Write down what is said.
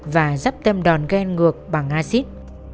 và dắp tâm đòn ghen ngược bằng acid